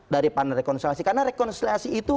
dari pandang rekonsiliasi karena rekonsiliasi itu